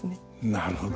なるほど。